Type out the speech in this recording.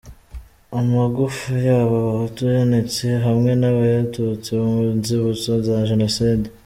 Amagufa y’abo bahutu yanitse hamwe n’ay’abatutsi mu nzibutso za jenoside.